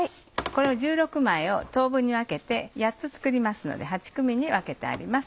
１６枚を等分に分けて８つ作りますので８組に分けてあります。